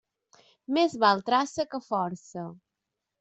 Més val traça que força.